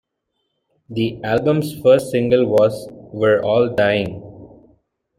The album's first single was "We're All Dying".